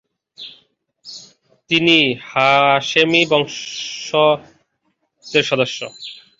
তিনি হাশেমি রাজবংশের সদস্য।